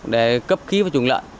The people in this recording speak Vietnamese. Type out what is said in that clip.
để cấp khí vào chủng lợn